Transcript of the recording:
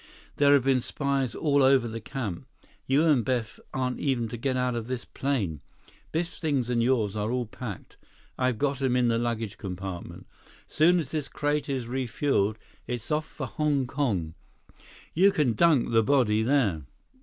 There have been spies all over the camp. You and Biff aren't even to get out of this plane. Biff's things and yours are all packed. I've got 'em in the luggage compartment. Soon as this crate is refueled, it's off for Hong Kong. You can dunk the body there."